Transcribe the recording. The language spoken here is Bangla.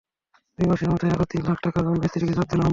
দুই মাসের মাথায় আরও তিন লাখ টাকার জন্য স্ত্রীকে চাপ দেন আহম্মদ।